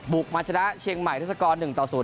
บุกมาชนะเชียงใหม่รัฐกร๑ต่อ๐